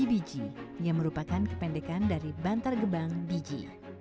biji yang merupakan kependekan dari bantar gebang biji